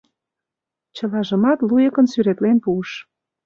Чылажымат луйыкын сӱретлен пуыш.